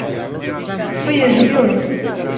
Hayır, gidiyorum.